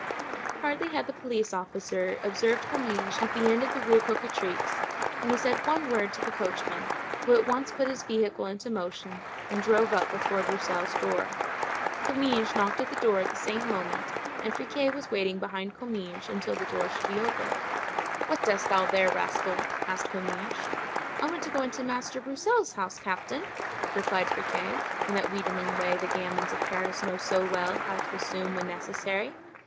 Hardly had the police officer observed Comminges at the end of the Rue Cocatrix when he said one word to the coachman, who at once put his vehicle into motion and drove up before Broussel's door. Comminges knocked at the door at the same moment, and Friquet was waiting behind Comminges until the door should be opened. "What dost thou there, rascal?" asked Comminges. "I want to go into Master Broussel's house, captain," replied Friquet, in that wheedling way the "gamins" of Paris know so well how to assume when necessary.